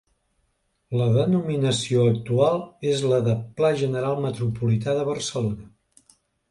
La denominació actual és la de Pla general metropolità de Barcelona.